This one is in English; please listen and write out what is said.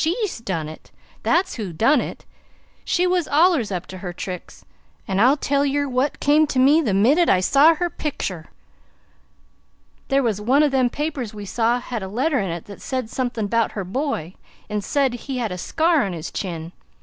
"SHE done it, that's who done it. She was allers up to her tricks; an' I'll tell yer wot come to me, the minnit I saw her pictur. There was one o' them papers we saw had a letter in it that said somethin' 'bout her boy, an' it said he had a scar on his chin.